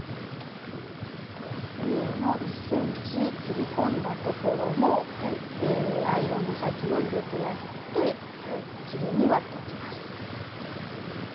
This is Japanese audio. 上の１ｃｍ切り込んだところもアイロンの先を入れてやってきれいに割っておきます。